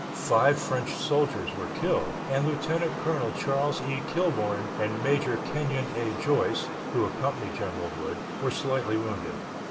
Five French soldiers were killed and Lieutenant Colonel Charles E. Kilbourne and Major Kenyon A. Joyce, who accompanied General Wood, were slightly wounded.